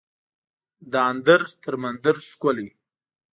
دهاندر تر مندر ښکلی